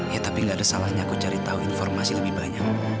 ya tapi gak ada salahnya aku cari tahu informasi lebih banyak